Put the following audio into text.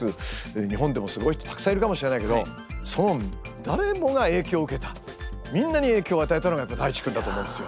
日本でもすごい人たくさんいるかもしれないけどその誰もが影響を受けたみんなに影響を与えたのがやっぱＤａｉｃｈｉくんだと思うんですよ。